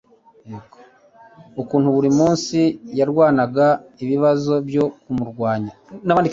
ukuntu burimunsi yarwanaga, ibibazo byo kumurwanya